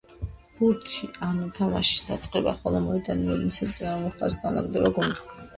ბურთი ანუ თამაშის დაწყება, ხოლო მოედანი, მოედნის ცენტრიდან რომელ მხარეს განლაგდება გუნდი.